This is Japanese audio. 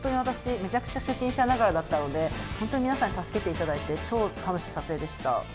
めちゃくちゃ初心者ながらだったので本当に皆さんに助けて頂いて超楽しい撮影でした。